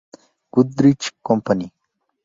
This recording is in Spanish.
Goodrich Company.